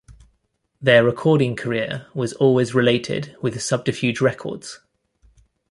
Their recording career was always related with Subterfuge Records.